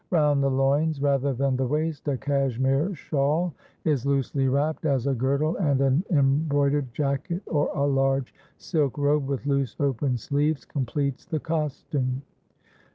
Round the loins, rather than the waist, a cashmere shawl is loosely wrapt as a girdle, and an embroidered jacket, or a large silk robe with loose open sleeves, completes the costume.